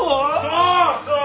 そうそう！